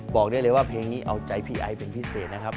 บอกได้เลยว่าเพลงนี้เอาใจพี่ไอซ์เป็นพิเศษนะครับ